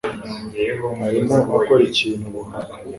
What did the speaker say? arimo akora ikintu runaka.